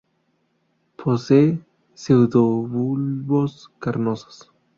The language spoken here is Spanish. Posee pseudobulbos carnosos.